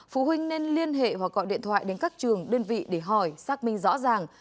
phụ huynh nên liên hệ hoặc gọi điện thoại đến các trường đơn vị để hỏi xác minh rõ ràng